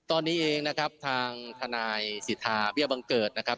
ตอนนี้เองนะครับทางทนายสิทธาเบี้ยบังเกิดนะครับ